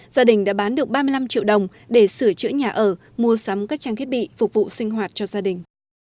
gia đình đã bán được ba mươi năm triệu đồng để sửa chữa nhà ở mua sắm các trang thiết bị phục vụ sinh hoạt cho gia đình